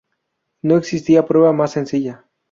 No existe prueba más sencilla.